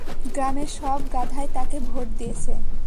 গ্রামের সব গাধায় তাকে ভোট দিয়েছে।